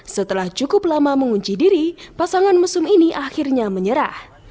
setelah cukup lama mengunci diri pasangan mesum ini akhirnya menyerah